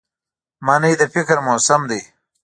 مني د فکر موسم دی